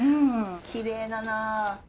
きれいだな。